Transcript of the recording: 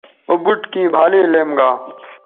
او بُٹ کیں بھالے لیم گا